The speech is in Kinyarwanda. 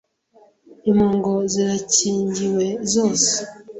Impongo zirakingiwe zose